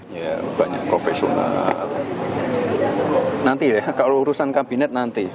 ya banyak profesional nanti ya kalau urusan kabinet nanti